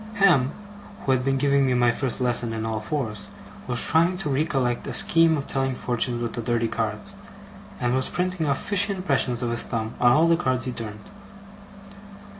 Ham, who had been giving me my first lesson in all fours, was trying to recollect a scheme of telling fortunes with the dirty cards, and was printing off fishy impressions of his thumb on all the cards he turned.